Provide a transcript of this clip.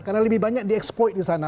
karena lebih banyak di eksploit di sana